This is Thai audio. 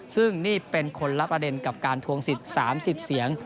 ซึ่งนี่เป็นคนละประเด็นกับการทวงสิทธิ์๓๐เสียง